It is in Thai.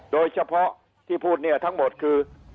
โดยเฉพาะที่พูดเนี่ยทั้งหมดคือ